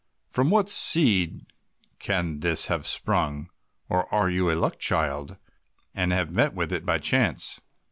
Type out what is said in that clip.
From what seed can this have sprung, or are you a luck child and have met with it by chance?"